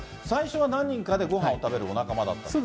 最初は何人かでごはんを食べるお仲間だった。